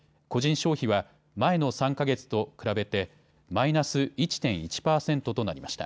消費は前の３か月と比べてマイナス１．１％となりました。